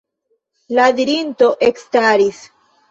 La dirinto ekstaris.